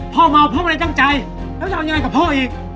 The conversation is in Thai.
พ่อเมาพ่อมันใจใจแล้วยังไงกับพ่อเอง